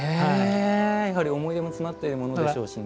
やはり思い入れも詰まっているものでしょうしね。